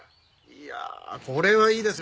いやこれはいいですよ。